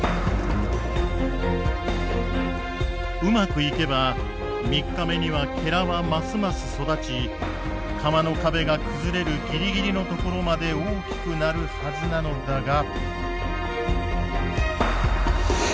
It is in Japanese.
うまくいけば３日目にははますます育ち釜の壁が崩れるギリギリの所まで大きくなるはずなのだが。